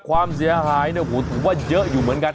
ความเสียหายเนี่ยโอ้โฮถูกว่าเยอะอยู่เหมือนกัน